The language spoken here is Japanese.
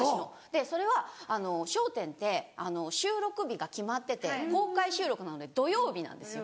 でそれは『笑点』って収録日が決まってて公開収録なので土曜日なんです。